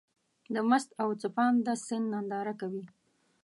د مست او څپانده سيند ننداره کوې.